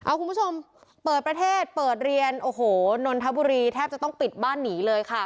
คุณผู้ชมเปิดประเทศเปิดเรียนโอ้โหนนทบุรีแทบจะต้องปิดบ้านหนีเลยค่ะ